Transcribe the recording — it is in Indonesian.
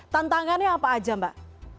tantangannya apa aja mbak